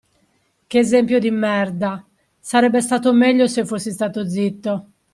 Che esempio di merda, sarebbe stato meglio se fossi stato zitto.